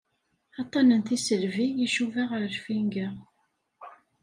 Aṭṭan n tisselbi icuba ɣer lfinga.